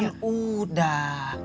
itu kan udah